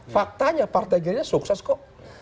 faktanya partai gerindra sukses kok